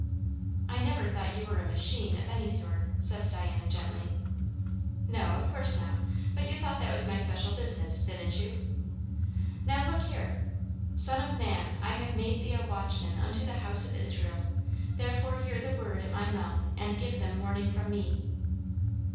"I never thought you were a machine, of any sort," said Diana gently. "No, of course not; but you thought that was my special business, didn't you? Now look here. 'Son of man, I have made thee a watchman unto the house of Israel: therefore hear the word at my mouth and give them warning from me.'"